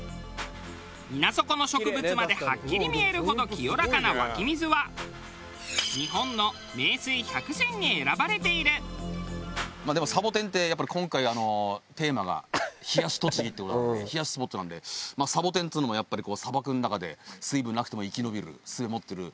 水底の植物まではっきり見えるほど清らかな湧き水は日本のでもサボテンってやっぱり今回テーマが「冷やし栃木」っていう事なので冷やしスポットなのでサボテンっていうのもやっぱり砂漠の中で水分なくても生き延びる術持ってるらしい。